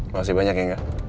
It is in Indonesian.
makasih banyak ya gak